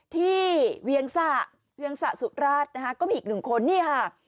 ที่เวียงศะเวียงศะสุราชนะฮะก็มีอีก๑คนนี่ค่ะ